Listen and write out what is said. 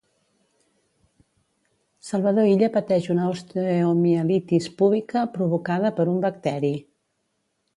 Salvador Illa pateix una osteomielitis púbica provocada per un bacteri.